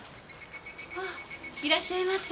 ああいらっしゃいませ。